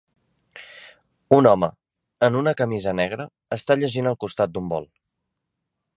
Un home en una camisa negre està llegint el costat d'un bol